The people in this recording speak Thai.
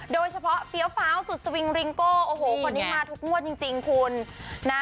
เฟี้ยวฟ้าวสุดสวิงริงโก้โอ้โหคนนี้มาทุกงวดจริงคุณนะ